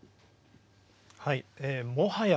はい。